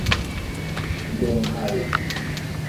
ยงไทย